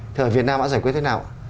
thì ở việt nam đã giải quyết thế nào